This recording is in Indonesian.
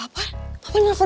gak perlu pengetahuan